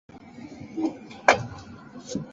蔚岭关现建筑为清光绪十八年重建。